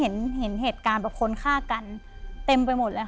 เห็นเหตุการณ์แบบคนฆ่ากันเต็มไปหมดเลยค่ะ